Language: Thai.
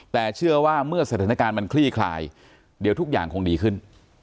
แต่เชื่อว่าเมื่อสถานการณ์มันคลี่คลายเดี๋ยวทุกอย่างคงดีขึ้น